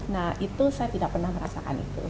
nah itu saya tidak pernah merasakan itu